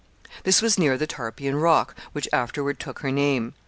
This was near the Tarpeian Rock, which afterward took her name.